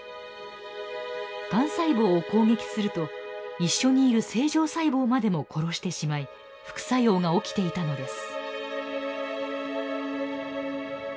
がん細胞を攻撃すると一緒にいる正常細胞までも殺してしまい副作用が起きていたのです。